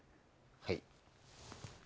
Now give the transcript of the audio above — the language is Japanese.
はい。